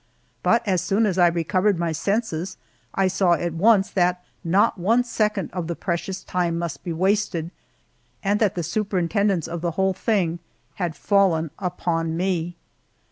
But as soon as I recovered my senses I saw at once that not one second of the precious time must be wasted, and that the superintendence of the whole thing had fallen upon me.